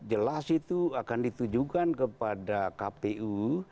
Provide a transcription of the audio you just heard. jelas itu akan ditujukan kepada kpu